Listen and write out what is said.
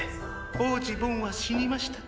王子ボンは死にました。